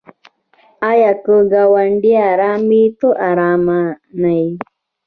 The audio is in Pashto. آیا که ګاونډی ارام وي ته ارام نه یې؟